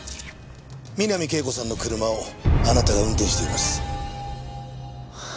三波圭子さんの車をあなたが運転しています。